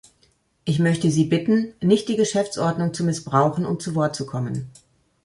Ich möchte Sie bitten, nicht die Geschäftsordnung zu missbrauchen, um zu Wort zu kommen.